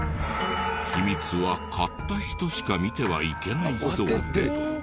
秘密は買った人しか見てはいけないそうで。